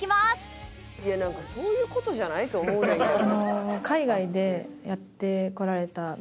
「いやそういう事じゃないと思うねんけど」